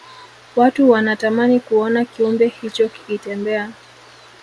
watu wanatamani kuona kiumbe hicho kikitembea